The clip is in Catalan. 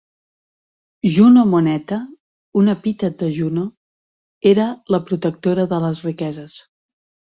Juno Moneta, un epítet de Juno, era la protectora de les riqueses.